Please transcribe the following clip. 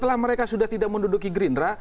setelah mereka sudah tidak menduduki gerindra